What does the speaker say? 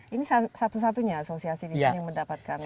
ini satu satunya asosiasi di sini mendapatkan